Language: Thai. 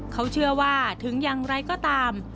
เขาเชื่อว่าถึงอย่างไรก็ตาม